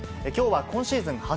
きょうは今シーズン